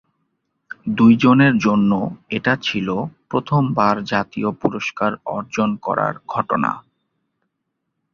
দুইজনের জন্য এটা ছিল প্রথম বার জাতীয় পুরস্কার অর্জন করার ঘটনা।